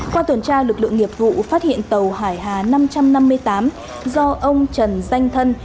qua tuần tra lực lượng nghiệp vụ phát hiện tàu hải hà năm trăm năm mươi tám do ông trần danh thân